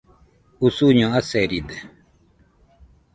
usuño aseride